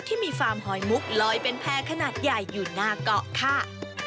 ที่มีฟาร์มหอยมุกลอยเป็นแพร่ขนาดใหญ่อยู่หน้าเกาะค่ะ